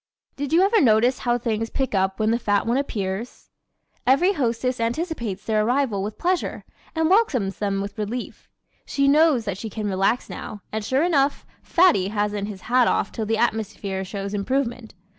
Did you ever notice how things pick up when the fat ones appear? Every hostess anticipates their arrival with pleasure and welcomes them with relief. She knows that she can relax now, and sure enough, Fatty hasn't his hat off till the atmosphere shows improvement.